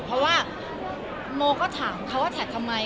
เพราะว่าโมก็ถามเขาว่าแท็กทำไม